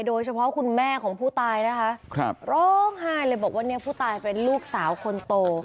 โดยเฉพาะคุณแม่ของผู้ตายนะคะร้องไห้เลยบอกว่าผู้ตายเป็นลูกสาวคนโต